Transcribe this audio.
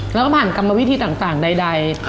แล้วก็ผ่านกรรมวิธีต่างใด